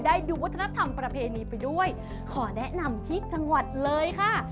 ดูวัฒนธรรมประเพณีไปด้วยขอแนะนำที่จังหวัดเลยค่ะ